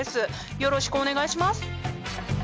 よろしくお願いします。